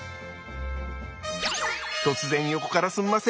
突然横からすんません。